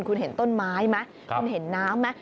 คุณเห็นต้นไม้ไหมคุณเห็นน้ำไหม